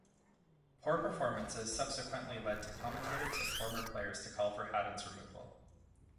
Poor performances subsequently led to commentators and former players to call for Hadden's removal.